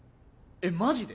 えっマジで？